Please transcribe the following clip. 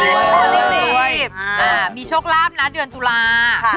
มีโชคลาภนะเดือนตุลา